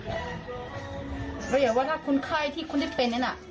ก็อยากว่าถ้าคุณไข้ที่คุณได้เป็นนั้น